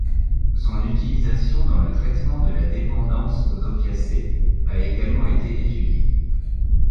Son utilisation dans le traitement de la dépendance aux opiacés a également été étudiée.